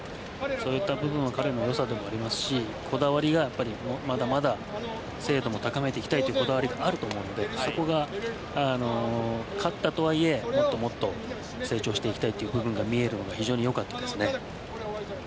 そういった部分は彼の良さでもありますしまだまだ精度も高めていきたいというこだわりがあると思うので勝ったとはいえもっともっと、成長していきたいという部分が見えるのが非常に良かったですね。